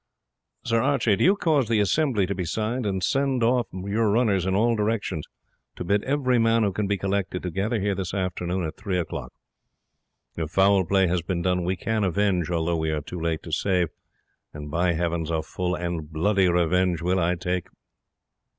"Sir Archie, do you cause the 'assembly' to be sounded, and send off your runners in all directions to bid every man who can be collected to gather here this afternoon at three o clock. If foul play has been done we can avenge, although we are too late to save, and, by Heavens, a full and bloody revenge will I take."